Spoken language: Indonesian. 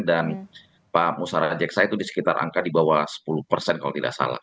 dan pak musara jeksa itu di sekitar angka di bawah sepuluh persen kalau tidak salah